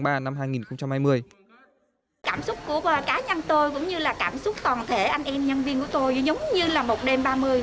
cảm xúc của cá nhân tôi cũng như là cảm xúc toàn thể anh em nhân viên của tôi giống như là một đêm ba mươi